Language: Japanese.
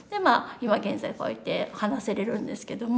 今現在こうやって話せれるんですけども。